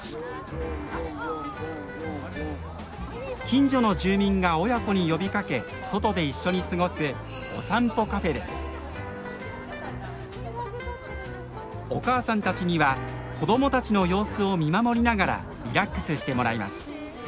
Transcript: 近所の住民が親子に呼びかけ外で一緒に過ごすお母さんたちには子どもたちの様子を見守りながらリラックスしてもらいます。